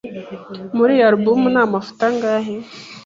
Muri iyi alubumu ni amafoto angahe?